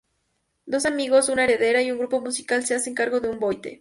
Dos amigos, una heredera y un grupo musical se hacen cargo de una boite.